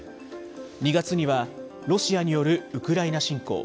２月にはロシアによるウクライナ侵攻。